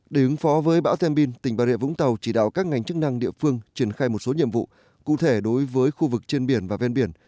để ứng phó với bão then bin tỉnh bà rịa vũng tàu chỉ đạo các ngành chức năng địa phương triển khai một số nhiệm vụ cụ thể đối với khu vực trên biển và ven biển